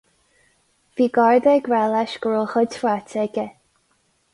Bhí Garda ag rá leis go raibh a chuid ráite aige.